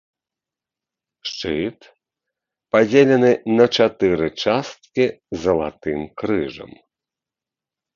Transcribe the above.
Шчыт, падзелены на чатыры часткі залатым крыжам.